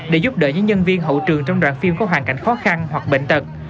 để giúp đỡ những nhân viên hậu trường trong đoàn phim có hoàn cảnh khó khăn hoặc bệnh tật